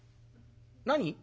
「何？